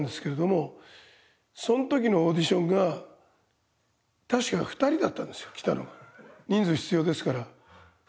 その時のオーディションが確か２人だったんですよ来たのが。